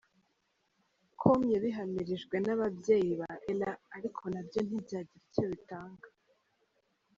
com yabihamirijwe n’ababyeyi ba Ella ariko nabyo ntibyagira icyo bitanga.